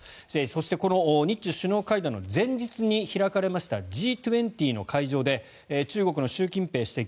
そして、日中首脳会談の前日に開かれましたＧ２０の会場で中国の習近平主席